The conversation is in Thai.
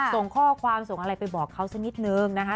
ส่งข้อความส่งอะไรไปบอกเขาสักนิดนึงนะคะ